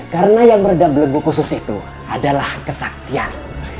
karena yang meredam belenggu khusus itu adalah kesaktian